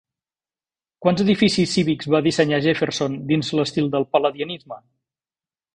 Quants edificis cívics va dissenyar Jefferson dins l'estil del pal·ladianisme?